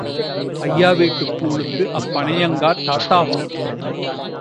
ஐயா வீட்டுக் கூழுக்கு அப்பணையங்கார்த் தாதாவா?